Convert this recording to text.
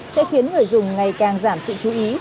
sẽ khiến người dùng ngày càng giảm sự chú ý